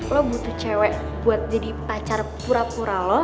lo butuh cewek buat jadi pacar pura pura lo